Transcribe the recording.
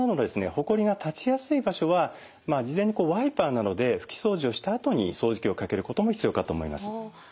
ホコリが立ちやすい場所は事前にワイパーなどで拭き掃除をしたあとに掃除機をかけることも必要かと思います。